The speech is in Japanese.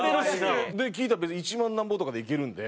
聞いたら別に１万なんぼとかでいけるんで。